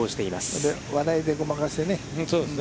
それで笑いでごまかしてね。